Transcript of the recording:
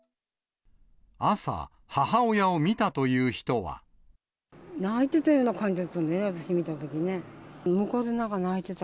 朝、泣いてたような感じですね、私、見たときね。